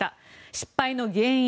失敗の原因